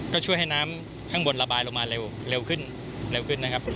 ก็ช่วยให้น้ำข้างบนระบายลงมาเร็วขึ้น